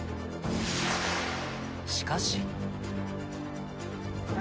しかし。